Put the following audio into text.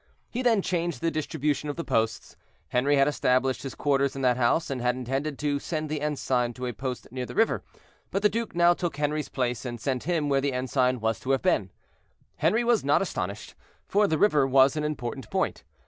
He then changed the distribution of the posts. Henri had established his quarters in that house, and had intended to send the ensign to a post near the river, but the duke now took Henri's place, and sent him where the ensign was to have been. Henri was not astonished, for the river was an important point.